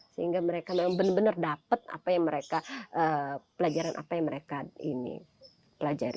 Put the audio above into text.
sehingga mereka memang benar benar dapat pelajaran apa yang mereka pelajari